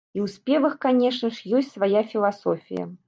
І ў спевах, канечне ж, ёсць свая філасофія.